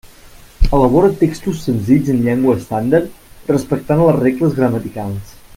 Elabora textos senzills en llengua estàndard, respectant les regles gramaticals.